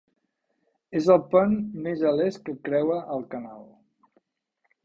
És el pont més a l'est que creua el canal.